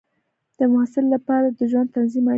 د محصل لپاره د ژوند تنظیم اړین دی.